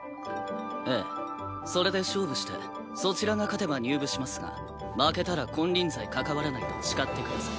ええそれで勝負してそちらが勝てば入部しますが負けたら金輪際関わらないと誓ってください。